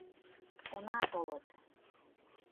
Уна, толыт.